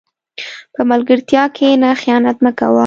په ملګرتیا کښېنه، خیانت مه کوه.